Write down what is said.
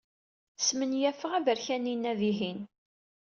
Smenyafeɣ aberkan-inna, dihin.